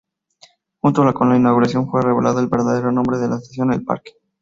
Junto con la inauguración fue revelado el verdadero nombre de la estación: "El Parque.